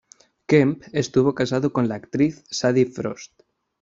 Kemp estuvo casado con la actriz Sadie Frost.